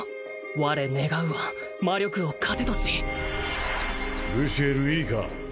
我願うは魔力を糧としルシエルいいか